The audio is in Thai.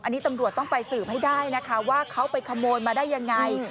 อันนี้ตำรวจต้องไปสืบให้ได้นะคะว่าเขาไปขโมยมาได้ยังไง